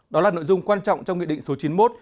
đó là nội dung quan trọng trong nghị định số chín mươi một